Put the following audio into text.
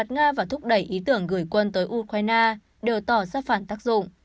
các nỗ lực của họ để thúc đẩy ý tưởng gửi quân tới ukraine đều tỏ sắp phản tác dụng